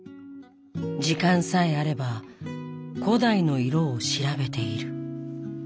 時間さえあれば古代の色を調べている。